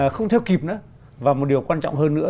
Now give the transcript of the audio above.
không theo kịp nữa và một điều quan trọng hơn nữa